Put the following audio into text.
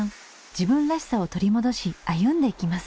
自分らしさを取り戻し歩んでいきます。